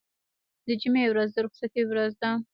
د جمعې ورځ د رخصتۍ ورځ ده.